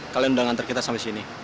kalian udah ngantar kita sampai sini